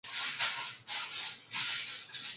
그리고 정의 광채가 넘쳐나오는 두 눈으로 춘우를 보았다.